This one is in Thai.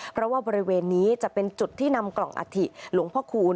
เพราะว่าบริเวณนี้จะเป็นจุดที่นำกล่องอัฐิหลวงพ่อคูณ